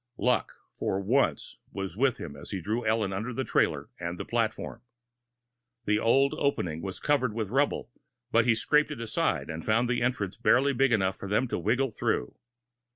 Luck, for once was with him as he drew Ellen under the trailer and the platform. The old opening was covered with rubble, but he scraped it aside, and found an entrance barely big enough for them to wiggle through.